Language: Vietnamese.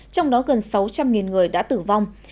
trong đó gần sáu trăm linh người đã tử vong